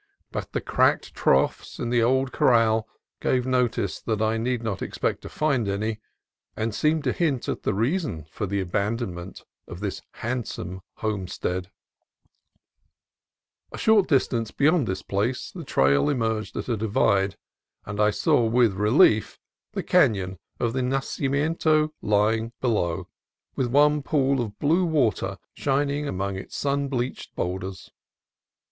But the cracked troughs in the old CAMP ON THE NACIMIENTO 175 corral gave notice that I need not expect to find any, and seemed to hint at the reason for the abandon ment of this handsome homestead. A short distance beyond this place the trail emerged at a divide, and I saw with relief the canon of the Nacimiento lying below, with one pool of blue water shining among its sun bleached boulders.